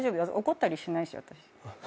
怒ったりしないし私。